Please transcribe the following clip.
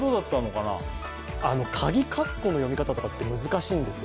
かぎ括弧の読み方とかって難しいんですよ。